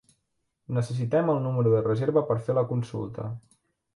Necessitem el número de reserva per fer la consulta.